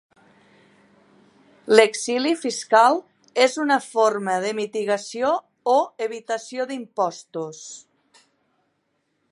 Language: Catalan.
L'exili fiscal és una forma de mitigació o evitació d'impostos.